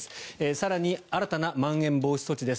更に新たなまん延防止措置です。